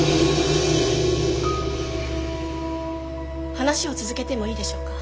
話を続けてもいいでしょうか。